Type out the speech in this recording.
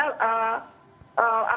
terus kalau misal